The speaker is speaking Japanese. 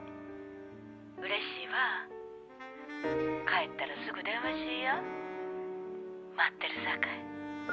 「帰ったらすぐ電話しいや待ってるさかい」